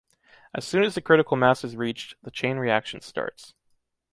As soon as the critical mass is reached, the chain reaction starts.